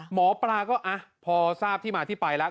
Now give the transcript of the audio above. หมอปลาก็พอทราบที่มาที่ไปแล้ว